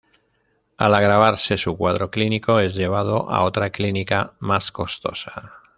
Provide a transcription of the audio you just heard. Al agravarse su cuadro clínico es llevado a otra clínica más costosa.